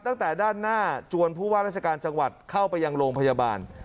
ตั้งแต่ด้านหน้าจวนผู้ว่าราชการจังหวัดเข้าไปยังโรงพยาบาล